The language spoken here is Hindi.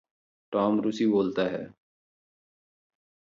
टॉम रूसी बोलता है।